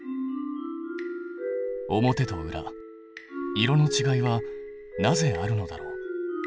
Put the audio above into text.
表と裏色のちがいはなぜあるのだろう？